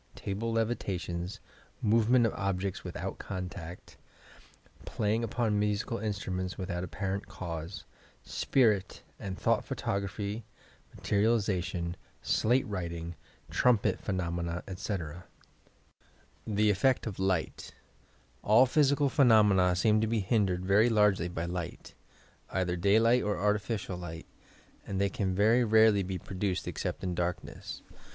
table Ievitations, movements of objects without contact. PHYSICAL PHENOMENA 325 playing upon musical instraments without apparent cause, spirit and thougbt pfaotography, materialization, slate writing, trumpet phenomena, etc. THE EFFECT OP WGHT All physical phenomena seem to be hindered very largely by light, — either daylight or artificial light, and they can very rarely be produced except in darkness.